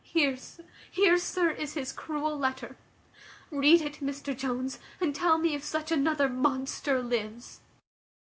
Here! here, sir, is his cruel letter: read it, Mr Jones, and tell me if such another monster lives."